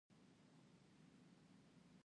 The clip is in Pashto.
پورډېنون ته به ځم، مازې یې وختي لا تللي و.